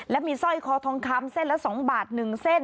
และมีสร้อยคอทองคำเส้นละสองบาทหนึ่งเส้น